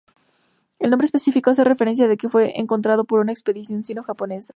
El nombre específico hace referencia de que fue encontrado por una expedición sino-japonesa.